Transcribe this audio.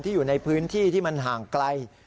อยู่ในพื้นที่ที่มันห่างไกล